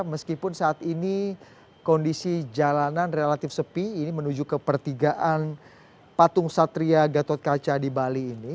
meskipun saat ini kondisi jalanan relatif sepi ini menuju ke pertigaan patung satria gatot kaca di bali ini